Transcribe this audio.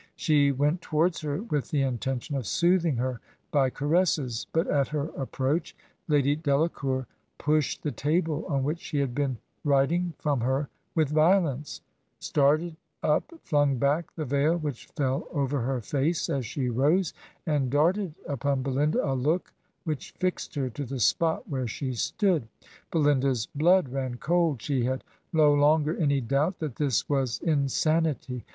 ... She went towards her with the inten tion of soothing her by caresses; but at her approach Lady Delacour pushed the table on which she had been writing frorri her with violence; started up, flung back the veil which fell over her face as she rose, and darted upon Belinda a look which fixed her to the spot where she stood. ... Belinda's blood ran cold — ^she had no longer any doubt that this was insanity.